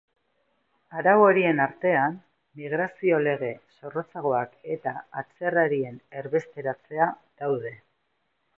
Arau horien artean, migrazio-lege zorrotzagoak eta atzerrarien erbesteratzea daude.